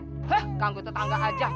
hah ganggu tetangga aja